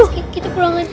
eh kita pulang aja